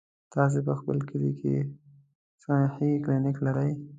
تاسې په خپل کلي کې صحي کلينيک لرئ؟